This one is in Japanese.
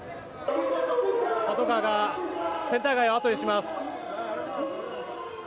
パトカーがセンター街を後にします。